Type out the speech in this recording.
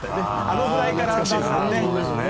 あのぐらいからね。